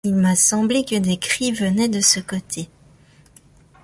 Il m’a semblé que des cris venaient de ce côté.